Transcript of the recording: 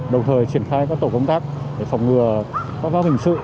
đầu thời triển khai các tổ công tác để phòng ngừa các pháp hình sự